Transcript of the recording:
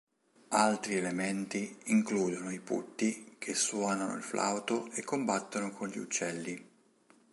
Altri elementi includono i putti che suonano il flauto e combattono con gli uccelli.